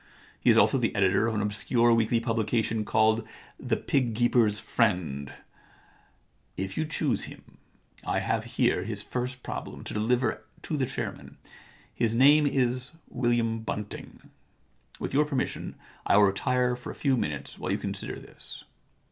He is also the editor of an obscure weekly publi cation called The Pig Keepers^ Friend, If you choose him I have here his first problem to deliver to the chairman. His name is William Bunting. With your permission I will retire for a few minutes while you consider this.'